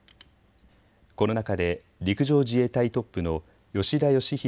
この中で陸上自衛隊トップの吉田圭秀